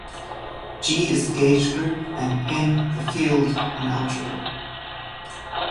"G" is the gauge group, and "N" the "field" algebra.